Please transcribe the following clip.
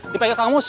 dipake kang mus